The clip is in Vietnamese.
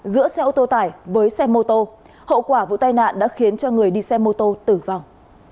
giữa xe ô tô tải với xe mô tô hậu quả vụ tai nạn đã khiến cho người đi xe mô tô tử vong